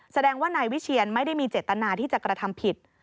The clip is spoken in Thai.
แสดงว่านายวิเชียนไม่ได้มีเจตนาที่จะกระทำผิด